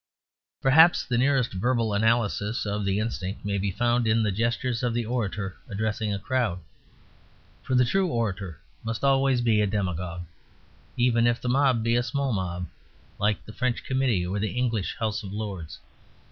Perhaps the nearest verbal analysis of the instinct may be found in the gestures of the orator addressing a crowd. For the true orator must always be a demagogue: even if the mob be a small mob, like the French committee or the English House of Lords.